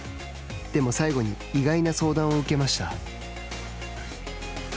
でも最後に意外な相談を受けました。